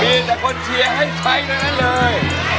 มีแต่คนเชียร์ให้ไปทั้งนั้นเลย